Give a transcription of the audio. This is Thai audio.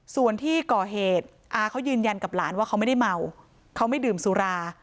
ส่วนที่ก่อเหตุอาเขายืนยันกับหลานว่าเขาไม่ได้เมาเขาไม่ดื่มสุรา